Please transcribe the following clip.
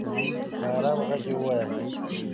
په ارام ږغ یې وویل